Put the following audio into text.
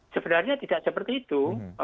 sebenarnya tidak seperti itu